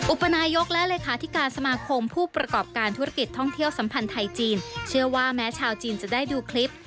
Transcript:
อุปนายกและเลขาธิการสมาคมผู้ประกอบการธุรกิจท่องเที่ยวสัมพันธ์ไทยจีนเชื่อว่าแม้ชาวจีนจะได้ดูคลิป